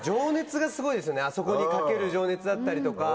あそこに懸ける情熱だったりとか。